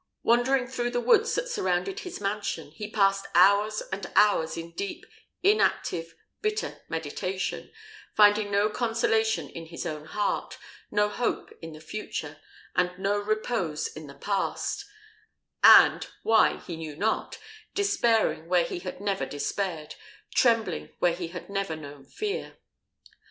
Wandering through the woods that surrounded his mansion, he passed hours and hours in deep, inactive, bitter meditation; finding no consolation in his own heart, no hope in the future, and no repose in the past; and, why he knew not, despairing where he had never despaired, trembling where he had never known fear.